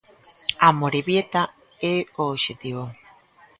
Amorebieta é o obxectivo.